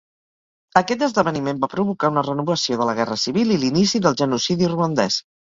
Aquest esdeveniment va provocar una renovació de la guerra civil i l'inici del genocidi ruandès.